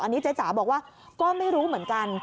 อันนี้เจ๊จ๋าบอกว่าก็ไม่รู้เหมือนกัน